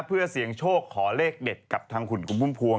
เพื่อเสี่ยงโชคขอเลขเด็ดกับทางคุณพุ่มพวง